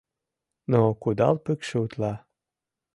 Но кудал пыкше утла